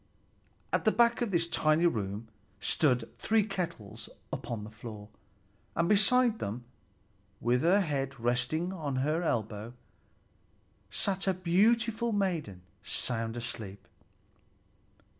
At the back of this tiny room stood three kettles upon the floor; and beside them, with her head resting on her elbow, sat a beautiful maiden, sound asleep.